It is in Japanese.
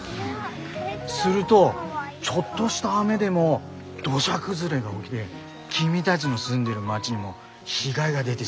するとちょっとした雨でも土砂崩れが起ぎて君だぢの住んでる町にも被害が出でしまったりすんだ。